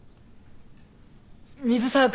水沢君